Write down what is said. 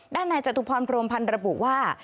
ด้านในจตุพรพรมพันธ์ระบุว่า